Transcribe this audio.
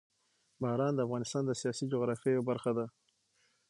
باران د افغانستان د سیاسي جغرافیه یوه برخه ده.